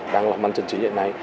đang làm ăn chân trí hiện nay